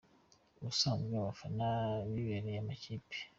Ubusanzwe abafana bihebeye amakipe